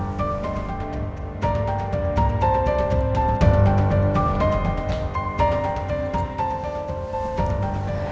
aku harus bikin mama ngusir reva dari sini